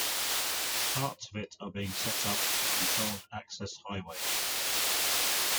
Parts of it are being set up for controlled-access highways.